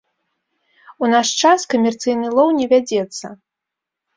У наш час камерцыйны лоў не вядзецца.